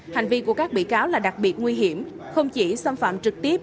hành vi của các bị cáo là đặc biệt nguy hiểm không chỉ xâm phạm trực tiếp